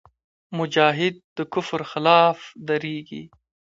مجاهد د کفر خلاف درېږي.